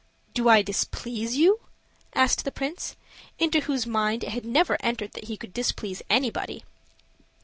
"Do I displease you?" asked the prince, into whose mind it had never entered that he could displease anybody.